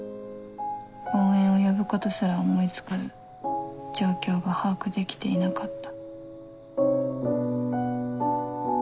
応援を呼ぶことすら思い付かず状況が把握できていなかった」。